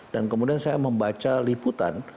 dan kemudian saya membaca liputan